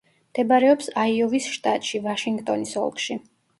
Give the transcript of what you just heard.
მდებარეობს აიოვის შტატში, ვაშინგტონის ოლქში.